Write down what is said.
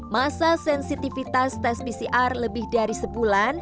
masa sensitivitas tes pcr lebih dari sebulan